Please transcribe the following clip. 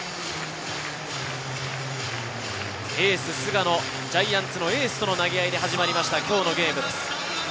エース・菅野、ジャイアンツのエースとの投げ合いで始まった今日のゲームです。